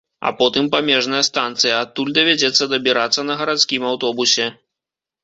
А потым памежная станцыя, адтуль давядзецца дабірацца на гарадскім аўтобусе.